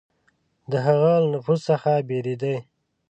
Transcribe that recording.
د هغه له نفوذ څخه بېرېدی.